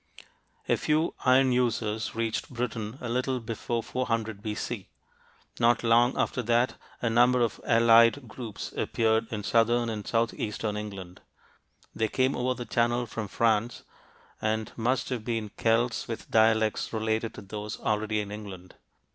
A few iron users reached Britain a little before 400 B.C. Not long after that, a number of allied groups appeared in southern and southeastern England. They came over the Channel from France and must have been Celts with dialects related to those already in England.